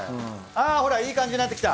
あほらいい感じになってきた。